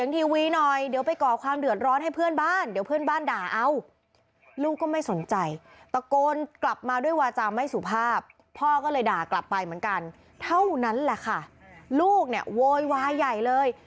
เท่านั้นแหละค่ะลูกเนี่ยโวยวายใหญ่เลย